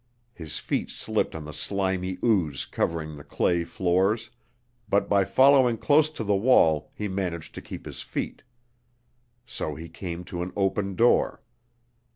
His feet slipped on the slimy ooze covering the clay floors, but by following close to the wall he managed to keep his feet. So he came to an open door.